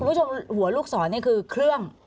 คุณผู้ชมหัวลูกศรนี่คือเครื่อง